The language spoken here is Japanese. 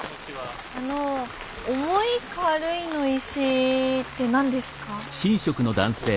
あの重い軽いの石って何ですか？